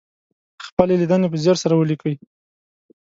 خپلې لیدنې په ځیر سره ولیکئ.